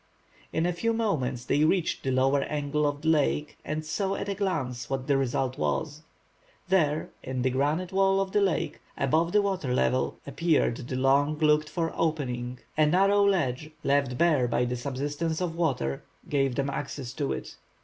In a few moments they reached the lower angle of the lake, and saw at a glance what the result was. There, in the granite wall of the lake, above the water level, appeared the long looked for opening. A narrow ledge, left bare, by the subsidence of the water, gave them access to it.